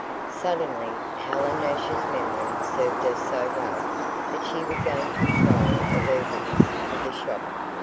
Suddenly Helen Nash's memory served her so well that she regained control of her wits with a shock.